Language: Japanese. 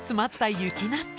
雪納豆！